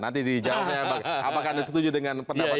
nanti dijawabnya apakah anda setuju dengan pendapat seperti ini